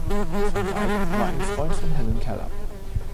Van Dyke war ein Freund von Helen Keller.